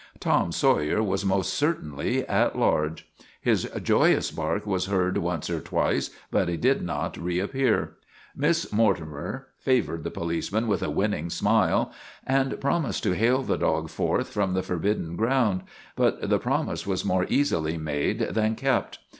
Tom Sawyer was most certainly at large. His joyous bark was heard once or twice, but he did not reappear. Miss Mortimer favored the policeman with a winning smile and promised to hale the dog forth from the forbidden ground; but the promise was more easily made than kept.